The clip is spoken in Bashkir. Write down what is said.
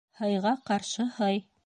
Һыйға ҡаршы һый.